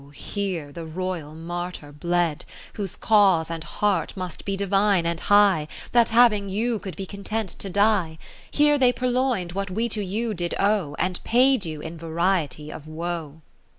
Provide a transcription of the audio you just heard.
here the Royal Martyr bled, lo Whose cause and heart must be divine and high, That having you could be content to die, Here they purloin'd what we to you did owe, And paid you in variety of woe.